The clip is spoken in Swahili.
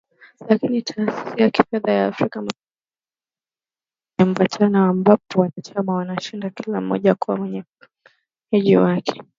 Lakini Taasisi ya Kifedha ya Afrika Mashariki imekuwa ni kitu chenye mvutano, ambapo wanachama wanashindana kila mmoja kuwa mwenyeji wake.